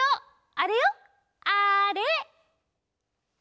あれよあれ！